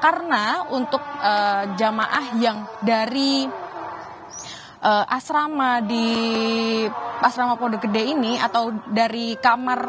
karena untuk jamaah yang dari asrama di asrama pondok gede ini atau dari kamar